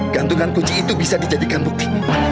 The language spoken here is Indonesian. gantungan kunci itu bisa dijadikan bukti